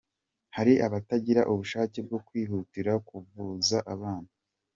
Hari abatagira ubushake bwo kwihutira kuvuza abana.